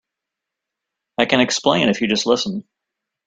I can explain if you'll just listen.